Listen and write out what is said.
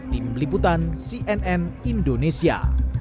tim liputan cnn indonesia